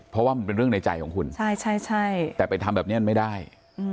เพราะว่ามันเป็นเรื่องในใจของคุณใช่ใช่แต่ไปทำแบบเนี้ยมันไม่ได้อืม